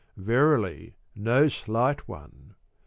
Verily no slight one